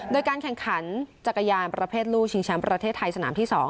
โดยการแข่งขันจักรยานประเภทลูกชิงแชมป์ประเทศไทยสนามที่๒